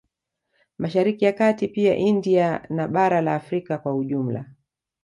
Mashariki ya kati pia India na bara la Afrika kwa Ujumla